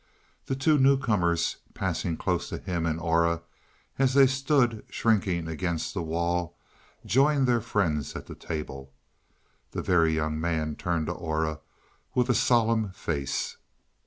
The two newcomers, passing close to him and Aura as they stood shrinking up against the wall, joined their friends at the table. The Very Young Man turned to Aura with a solemn face.